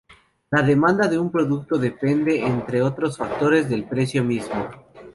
La demanda de un producto depende, entre otros factores, del precio del mismo.